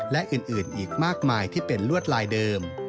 และอื่นอีกมากมายที่เป็นลวดลายเดิม